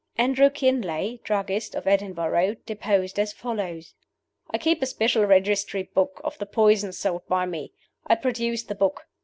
Andrew Kinlay, druggist, of Edinburgh, deposed as follows: "I keep a special registry book of the poisons sold by me. I produce the book.